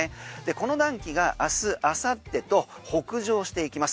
この暖気が明日明後日と北上していきます。